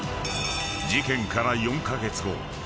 ［事件から４カ月後］